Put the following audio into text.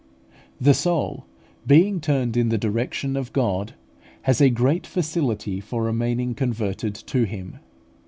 The soul, being turned in the direction of God, has a great facility for remaining converted to Him.